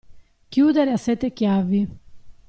Chiudere a sette chiavi.